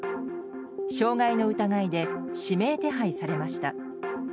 傷害の疑いで指名手配されました。